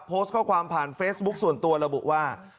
โพสต์ข้อความผ่านเฟซบุ๊คส่วนตัวระบุว่า